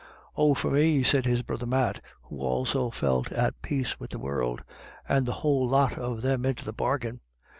" Or for me," said his brother Matt, who also felt at peace with all the world, " and the whoule lot of them into the bargain.